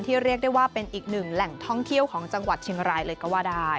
เรียกได้ว่าเป็นอีกหนึ่งแหล่งท่องเที่ยวของจังหวัดเชียงรายเลยก็ว่าได้